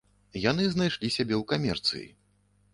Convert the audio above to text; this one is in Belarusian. Яны знайшлі сябе ў камерцыі.